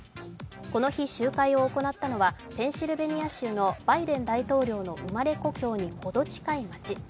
この日、集会を行ったのはペンシルベニア州のバイデン大統領の生まれ故郷にほど近い町。